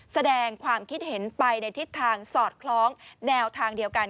แสดงความคิดเห็นไปในทิศทางสอดคล้องแนวทางเดียวกัน